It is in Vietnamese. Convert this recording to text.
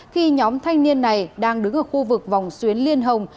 khi nhóm thanh niên này đang đứng ở khu vực vòng xuyến liên hồng